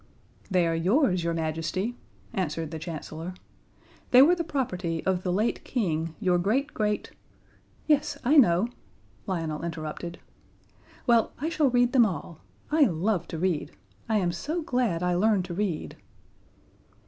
"They are yours, Your Majesty," answered the Chancellor. "They were the property of the late King, your great great " "Yes, I know," Lionel interrupted. "Well, I shall read them all. I love to read. I am so glad I learned to read."